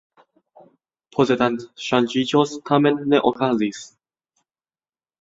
Posedantŝanĝiĝo tamen ne okazis.